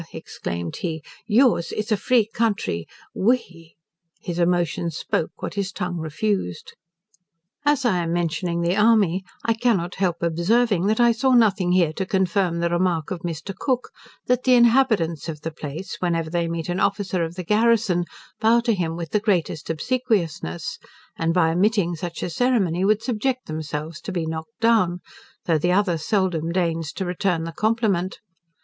exclaimed he, "yours is a free country we"! His emotions spoke what his tongue refused. As I am mentioning the army, I cannot help observing, that I saw nothing here to confirm the remark of Mr. Cook, that the inhabitants of the place, whenever they meet an officer of the garrison, bow to him with the greatest obsequiousness; and by omitting such a ceremony, would subject themselves to be knocked down, though the other seldom deigns to return the compliment.